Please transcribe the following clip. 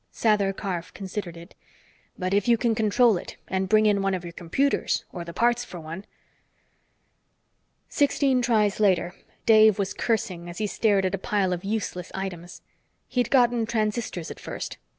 Sather Karf considered it. "But if you can control it and bring in one of your computers or the parts for one " Sixteen tries later, Dave was cursing as he stared at a pile of useless items. He'd gotten transistors at first.